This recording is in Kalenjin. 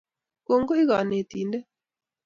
Kongoi, kanetindet